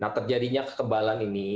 nah terjadinya kekebalan ini